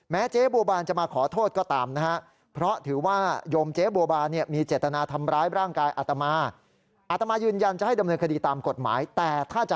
เจ๊บัวบานจะมาขอโทษก็ตามนะฮะ